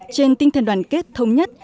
trên tinh thần đoàn kết thống nhất